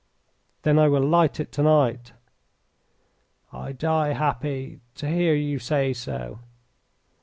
"Then I will light it to night." "I die happy to hear you say so.